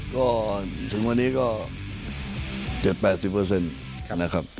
ก็ถึงวันนี้ก็๗๘๐นะครับ